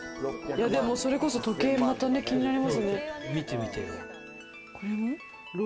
それこそ時計、また気になりますね。